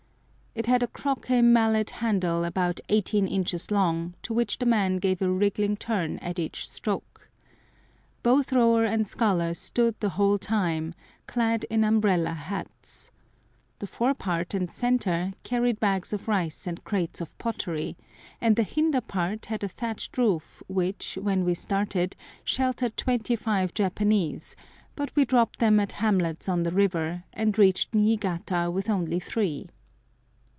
It had a croquet mallet handle about 18 inches long, to which the man gave a wriggling turn at each stroke. Both rower and sculler stood the whole time, clad in umbrella hats. The fore part and centre carried bags of rice and crates of pottery, and the hinder part had a thatched roof which, when we started, sheltered twenty five Japanese, but we dropped them at hamlets on the river, and reached Niigata with only three.